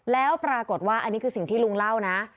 แล้วปรากฏว่าอันนี้คือสิ่งที่ลุงเล่านะ